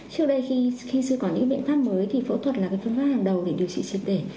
trước đây khi chưa có những biện pháp mới thì phẫu thuật là phương pháp hàng đầu để điều trị trượt tể